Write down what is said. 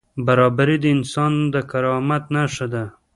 برابري د انسان د کرامت نښه ده.